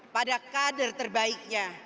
pada kader terbaiknya